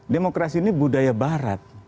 demokrasi ini budaya barat